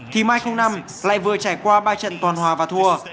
thì mai năm lại vừa trải qua ba trận toàn hòa và thua